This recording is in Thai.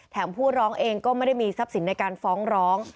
ผู้ร้องเองก็ไม่ได้มีทรัพย์สินในการฟ้องร้อง